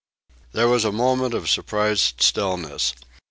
There was a moment of surprised stillness.